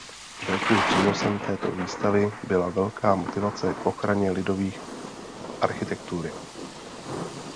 Velkým přínosem této výstavy byla velká motivace k ochraně lidových architektury.